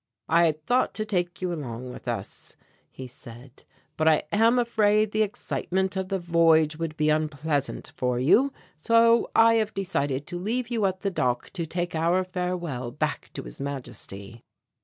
"I had thought to take you along with us," he said, "but I am afraid the excitement of the voyage would be unpleasant for you so I have decided to leave you at the lock to take our farewell back to His Majesty."